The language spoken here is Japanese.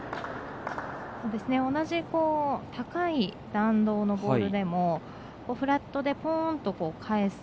同じ高い弾道のボールでもフラットでポーンと返す